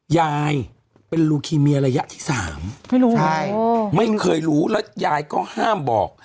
ยายเป็นลูคีเมียระยะที่๓ไม่รู้ไม่เคยรู้แล้วยายก็ห้ามบอก